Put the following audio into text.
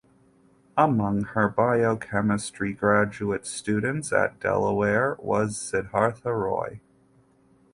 Among her biochemistry graduate students at Delaware was Siddhartha Roy.